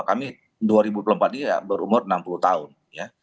kami dua ribu empat belas ini ya berumur enam puluh tahun ya